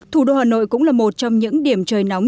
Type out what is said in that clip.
thủ đô hà nội cũng là một trong những điểm trời nóng